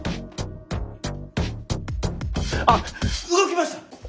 あっ動きました！